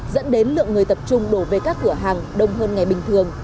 dẫn đến lượng người tập trung đổ về các cửa hàng đông hơn ngày bình thường